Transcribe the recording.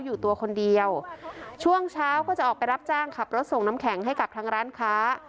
อยู่ตัวคนเดียวช่วงเช้าก็จะออกไปรับจ้างขับรถส่งน้ำแข็งให้กับทางร้านค้า